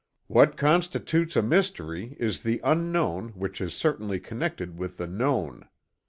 "What constitutes a mystery is the unknown which is certainly connected with the known.